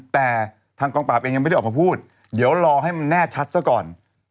แต่ทางกองปราบเองยังไม่ได้ออกมาพูดเดี๋ยวรอให้มันแน่ชัดซะก่อน